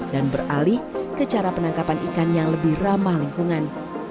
dan beralih ke cara penangkapan ikan yang lebih ramah lingkungan